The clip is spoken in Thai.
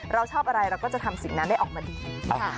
เราชอบอะไรเราก็จะทำสิ่งนั้นได้ออกมาดี